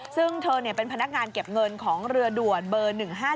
ซึ่งเธอเป็นพนักงานเก็บเงินของเรือด่วนเบอร์๑๕๗